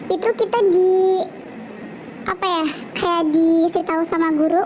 itu kita di apa ya kayak diisit tahu sama guru